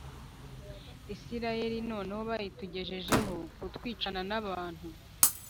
Isirayeli none bayitugejejeho kutwicana n abantu